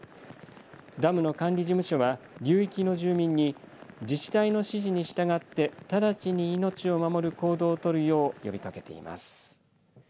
ダムの管理事務所は流域の住民に自治体の指示に従って直ちに命を守る行動を取るよう呼びかけています。